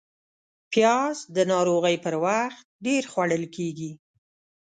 پیاز د ناروغۍ پر وخت ډېر خوړل کېږي